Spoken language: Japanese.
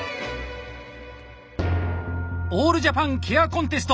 「オールジャパンケアコンテスト」